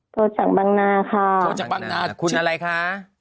โทรจากบังนาค่ะโทรจากบังนาคุณอะไรคะ